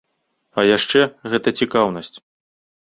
А яшчэ, гэта цікаўнасць.